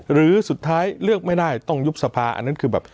หรือสุดท้ายเลือกไม่ได้ต้องยุบสภาอันนั้นคือแบบ